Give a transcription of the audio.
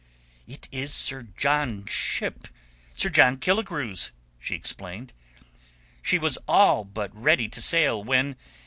"It is Sir John's ship—Sir John Killigrew's," she explained. "She was all but ready to sail when...